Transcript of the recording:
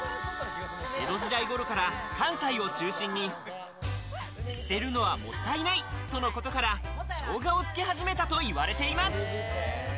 江戸時代頃から関西を中心に、捨てるのはもったいないとのことから、生姜を漬け始めたといわれています。